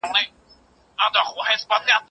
سبزېجات د مور له خوا وچول کيږي.